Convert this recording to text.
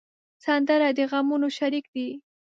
سندره د غمونو شریک دی